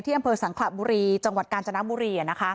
อำเภอสังขระบุรีจังหวัดกาญจนบุรี